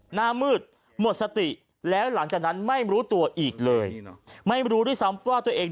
หน้ามืดหมดสติแล้วหลังจากนั้นไม่รู้ตัวอีกเลยไม่รู้ด้วยซ้ำว่าตัวเอง